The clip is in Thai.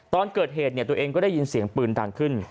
ตอนเกิดเหตุตัวเองก็ได้ยินเสียงปืนดังขึ้น